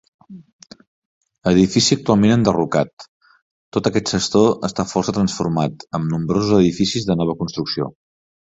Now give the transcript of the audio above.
Edifici actualment enderrocat; tot aquest sector està força transformat, amb nombrosos edificis de nova construcció.